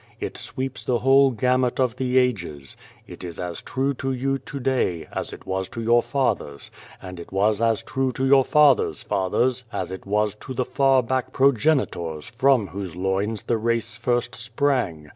It sweeps the whole gamut of the ages. It is as true to you, to day, as it was to your fathers, and it was as true to your fathers' fathers, as it was to the far back progenitors from whose loins the race first sprang.